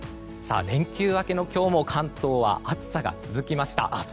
連休明けの今日も関東は暑さが続きました。